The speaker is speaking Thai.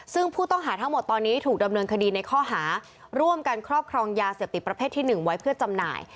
ซึ่งผู้ต้องหาทั้งหมดตอนนี้ถูกดำเนินคดีในข้อหาร่วมกันครอบครองยาเสพติดประเภทที่๑ไว้เพื่อจำหน่าย